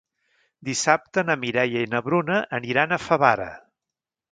Dissabte na Mireia i na Bruna aniran a Favara.